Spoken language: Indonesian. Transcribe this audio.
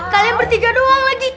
kalian bertiga doang lagi